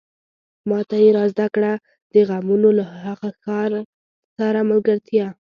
ماته يې را زده کړه د غمونو له هغه ښار سره ملګرتيا